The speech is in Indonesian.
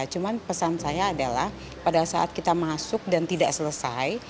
cuma pesan saya adalah pada saat kita masuk dan tidak selesai